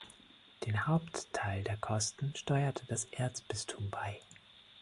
Den Hauptteil der Kosten steuerte das Erzbistum bei.